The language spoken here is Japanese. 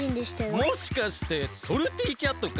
もしかしてソルティキャットか？